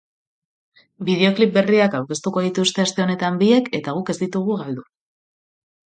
Bideoklip berriak aurkeztu dituzte aste honetan biek, eta guk ez ditugu galdu.